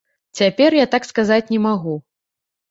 Цяпер я так сказаць не магу.